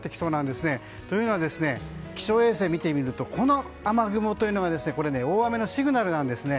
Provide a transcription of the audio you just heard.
というのは気象衛星を見てみるとこの雨雲というのは大雨のシグナルなんですね。